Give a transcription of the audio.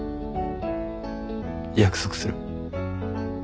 約束する。